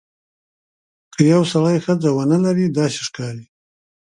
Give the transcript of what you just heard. که یو سړی ښځه ونه لري داسې ښکاري.